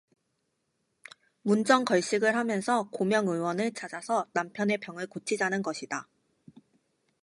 문전 걸식을 하면서 고명 의원을 찾아서 남편의 병을 고치자는 것이다.